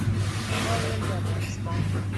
ما ویل د افغانستان.